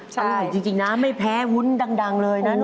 อร่อยจริงนะไม่แพ้วุ้นดังเลยนะ